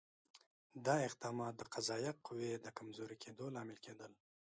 دا اقدامات د قضایه قوې د کمزوري کېدو لامل کېدل.